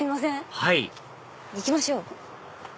はい行きましょう！